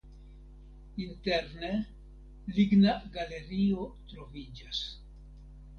Interne ligna galerio troviĝas.